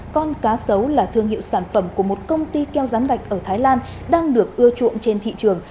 con cá sấu là thương hiệu sản phẩm của một công ty keo rán gạch ở thái lan đang được ưa chuộng trên thị trường